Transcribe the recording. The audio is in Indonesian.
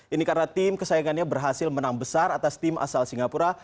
ini karena tim kesayangannya berhasil menang besar atas tim asal singapura